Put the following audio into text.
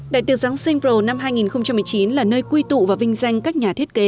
đại tiệc giáng sinh pro năm hai nghìn một mươi chín là nơi quy tụ và vinh danh các nhà thiết kế